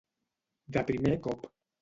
De primer cop.